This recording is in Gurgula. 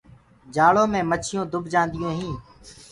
جآݪو مي مڇيونٚ دُب جآنديو هينٚ۔